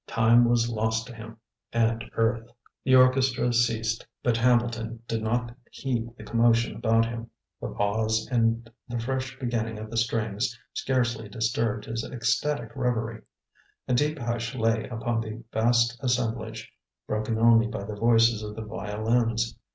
Time was lost to him and earth. The orchestra ceased, but Hambleton did not heed the commotion about him. The pause and the fresh beginning of the strings scarcely disturbed his ecstatic reverie. A deep hush lay upon the vast assemblage, broken only by the voices of the violins.